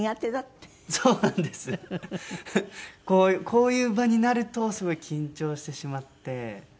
こういう場になるとすごい緊張してしまって。